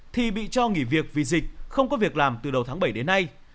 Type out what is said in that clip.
thì bị cho nghỉ việc vì dịch không có việc làm từ đầu tháng bảy đến nay